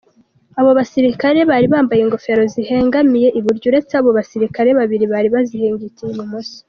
Abo basirikare bari bambaye ingofero zihengamiye iburyo uretse abo basirikare babiri bari bazihengekeye ibumoso.